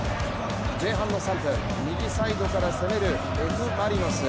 前半の３分、右サイドから攻めるＦ・マリノス。